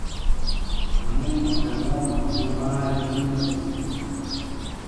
Muumo e mooma tuumaari finne fu.